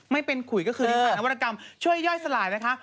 ไม่เป็นขุยก็คือในฐานนวัตกรรมช่วยย่อยสลายนะคะ